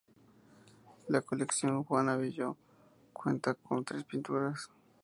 La Colección Juan Abelló cuenta con tres pinturas.